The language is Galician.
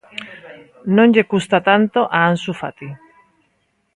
Non lle custa tanto a Ansu Fati.